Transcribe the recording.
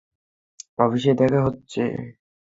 অফিসে দেখা হচ্ছে।